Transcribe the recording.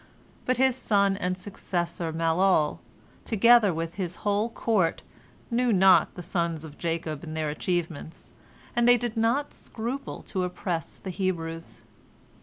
But his son and successor Malol, together with his whole court, knew not the sons of Jacob and their achievements, and they did not scruple to oppress the Hebrews.